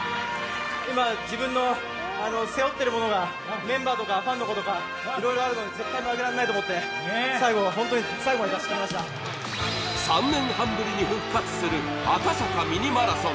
今自分の背負ってるものがメンバーとかファンの子とか色々あるので絶対負けられないと思って最後ホントに最後まで出し切りました３年半ぶりに復活する赤坂ミニマラソン